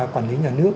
quản lý nhà nước